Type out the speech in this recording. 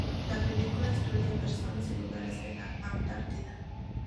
La película estudia personas y lugares de la Antártida.